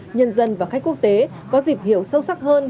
nhân dân và khách quốc tế có dịp hiểu sâu sắc hơn